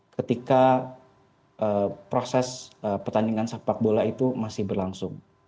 ketika proses pertandingan sepak bola itu masih berlangsung